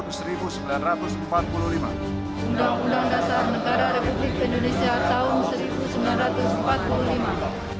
undang undang dasar negara republik indonesia tahun seribu sembilan ratus empat puluh lima